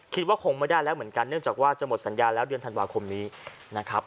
คิดว่าคงไม่ได้แล้วเหมือนกันเนื่องจากว่าจะหมดสัญญาแล้วเดือนธันวาคมนี้นะครับ